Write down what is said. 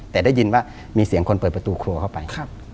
แต่ได้ยินว่ามีเสียงคนเปิดประตูครัวเข้าไป